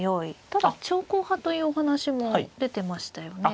ただ長考派というお話も出てましたよね。